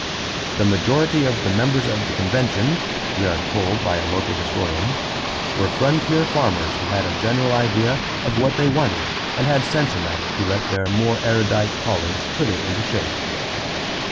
"The majority of the members of the convention," we are told by a local historian, "were frontier farmers who had a general idea of what they wanted and had sense enough to let their more erudite colleagues put it into shape."